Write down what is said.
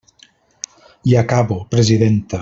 I acabo, presidenta.